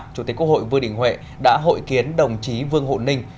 chủ tịch quốc hội vương đình huệ đã hội kiến đồng chí vương hộ ninh